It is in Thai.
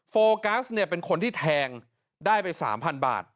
โฟกัสเนี่ยเป็นคนที่แทงได้ไป๓๐๐บาท